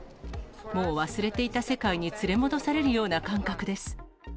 もう忘れていた世界に連れ戻されるような感覚です。